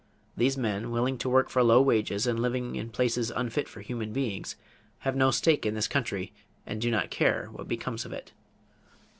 These men, willing to work for low wages and live in places unfit for human beings, have no stake in this country and do not care what becomes of it.